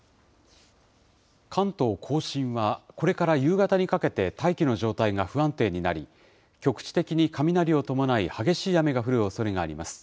関東甲信は、これから夕方にかけて大気の状態が不安定になり、局地的に雷を伴い、激しい雨が降るおそれがあります。